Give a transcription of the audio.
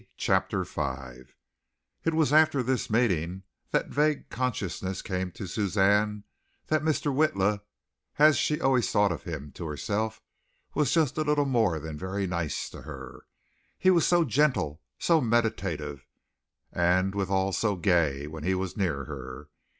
CHAPTER V It was after this meeting that vague consciousness came to Suzanne that Mr. Witla, as she always thought of him to herself, was just a little more than very nice to her. He was so gentle, so meditative, and withal so gay when he was near her!